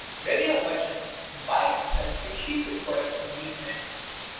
Regular merchants buy and sell fictitious products of these men.